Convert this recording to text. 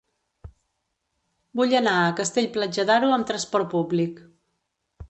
Vull anar a Castell-Platja d'Aro amb trasport públic.